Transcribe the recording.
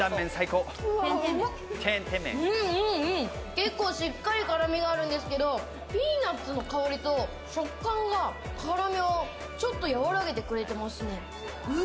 結構しっかり辛みがあるんですけれども、ピーナッツの香りと食感が辛みをちょっと和らげてくれてますね。